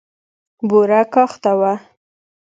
بوره کاخته وه.